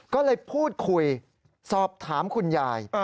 ก็เลยพูดคุยสอบถามคุณยาย